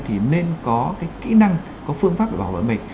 thì nên có cái kỹ năng có phương pháp để bảo vệ mình